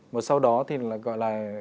một sau đó thì gọi là